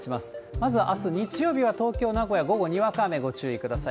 まずあす日曜日は、東京、名古屋、午後、にわか雨ご注意ください。